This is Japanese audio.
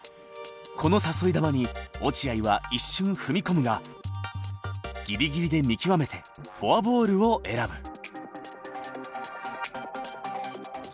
この誘い球に落合は一瞬踏み込むがギリギリで見極めてフォアボールを選ぶ。